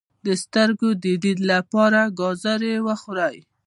د سترګو د لید لپاره ګازرې وخورئ